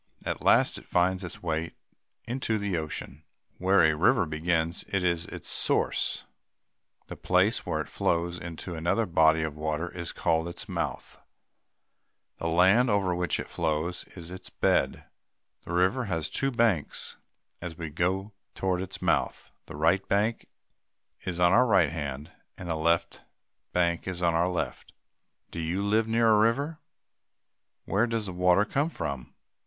At last, it finds its way into the ocean. Where a river begins is its source. The place where it flows into another body of water is called its mouth. The land over which it flows is its bed. A river has two banks. As we go toward its mouth, the right bank is on our right hand, and the left bank is on our left. Do you live near a river? Where does the water come from?